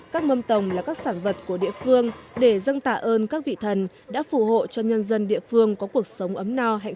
các mâm tồng là các sản vật của địa phương để dâng tạ ơn các vị thần đã phù hộ cho nhân dân địa phương có cuộc sống ấm